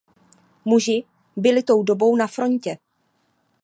Muži byli tou dobou na frontě.